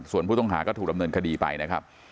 ส่วนผู้ต้องหาก็ถูกดำเนินคดีไปนะครับ